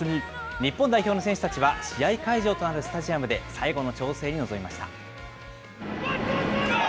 日本代表の選手たちは、試合会場となるスタジアムで、最後の調整に臨みました。